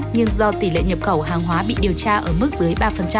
nhưng do tỷ lệ nhập khẩu hàng hóa bị điều tra ở mức dưới ba